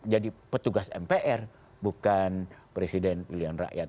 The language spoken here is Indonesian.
jadi petugas mpr bukan presiden pilihan rakyat